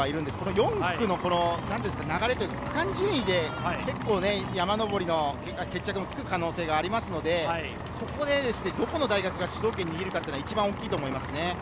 ４区の流れ、区間順位で結構山上りの決着がつく可能性があるので、どこの大学が主導権を握るのかが大きいと思います。